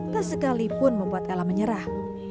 tak sekalipun membuat ella menyerah